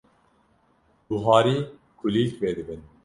Buharî kulîlk vedibin.